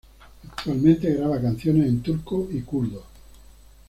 Actualmente, graba canciones en turco y kurdo.